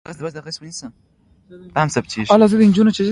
زه د انجونوو زدکړې غواړم